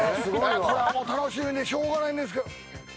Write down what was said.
これはもう楽しみでしょうがないんですけど。